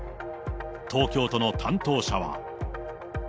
東京都の担当者は。